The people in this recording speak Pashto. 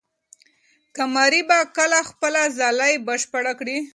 قمري به کله خپله ځالۍ بشپړه کړي؟